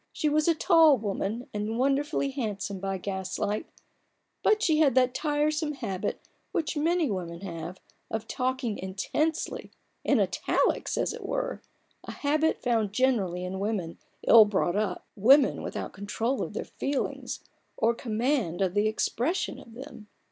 She was a tall woman, and wonderfully handsome by gaslight ; but she had that tiresome habit, which many women have, of talking intensely — in italics, as it were : a habit found generally in women ill brought up— women without control of their feelings, or command of the expression of them.